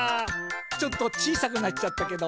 ちょっとちいさくなっちゃったけど。